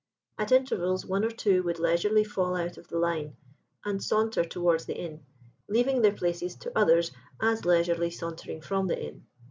At intervals one or two would leisurely fall out of the line and saunter towards the inn, leaving their places to others as leisurely sauntering from the inn.